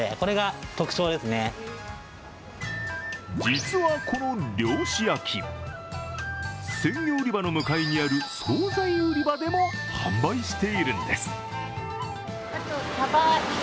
実はこの漁師焼き、鮮魚売り場の向かいにある総菜売り場でも販売しているんです。